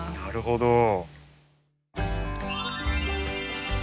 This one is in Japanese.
なるほど。